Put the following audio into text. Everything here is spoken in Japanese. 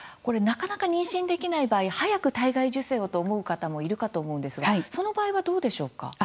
なかなか妊娠できない場合、早く体外受精をと思う方もいるかと思うんですがその場合はどうでしょうか？